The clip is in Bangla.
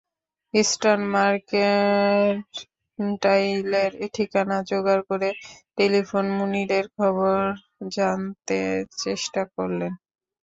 ইস্টার্ন মার্কেন্টাইলের ঠিকানা জোগাড় করে টেলিফোনে মুনিরের খবর জানতে চেষ্টা করলেন।